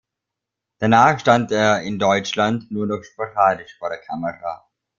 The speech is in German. Danach stand er in Deutschland nur noch sporadisch vor der Kamera.